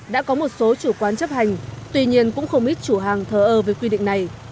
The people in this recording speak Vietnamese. đã có một số chủ quán chấp hành tuy nhiên cũng không ít chủ hàng thờ ơ với quy định này